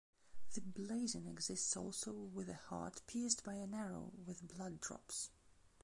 The blazon exists also with a heart pierced by an arrow, with blood drops.